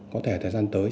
có thể thời gian tới